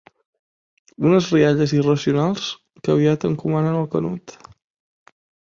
Unes rialles irracionals que aviat encomanen el Canut.